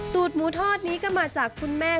หมูทอดนี้ก็มาจากคุณแม่